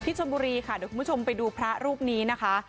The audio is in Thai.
ชนบุรีค่ะเดี๋ยวคุณผู้ชมไปดูพระรูปนี้นะคะ